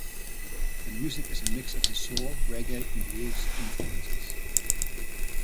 The music is a mix of his soul, reggae, and blues influences.